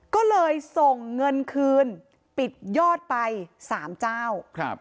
ก็เลยส่งเงินคืนปิดยอดไป๓เจ้าครับ